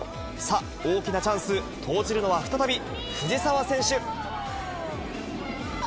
さあ、大きなチャンス、投じるのは再び藤澤選手。